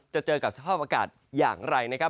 เจอกับสภาพอากาศอย่างไรนะครับ